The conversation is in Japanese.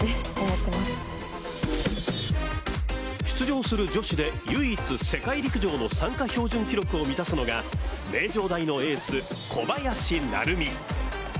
出場する女子で唯一、世界陸上の参加標準記録を満たすのが名城大のエース・小林成美。